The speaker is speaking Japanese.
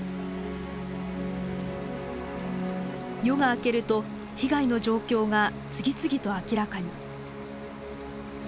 夜が明けると被害の状況が次々と明らかに。